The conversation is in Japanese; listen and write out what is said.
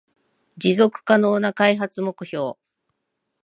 持続可能な開発目標